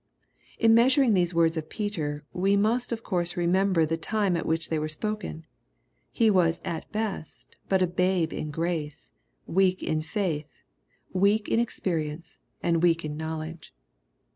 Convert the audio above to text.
'' In measuring these words of Peter, we must of course remember the time at which they were spoken. He was, at best, but a babe in grace, weak in faith, weak in ex perience, and weak in knowledge.